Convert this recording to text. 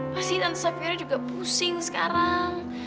pasti tante safiura juga pusing sekarang